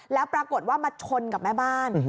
แล้วปรากฏว่ามาชนกับแม่บ้าน